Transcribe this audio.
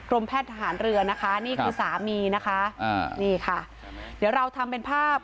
แพทย์ทหารเรือนะคะนี่คือสามีนะคะอ่านี่ค่ะเดี๋ยวเราทำเป็นภาพ